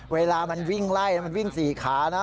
เวลามันวิ่งไล่มันวิ่ง๔ขานะ